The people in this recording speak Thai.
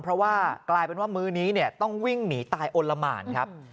เพราะว่ากลายเป็นว่ามื้อนี้เนี่ยต้องวิ่งหนีตายอลละหมานครับ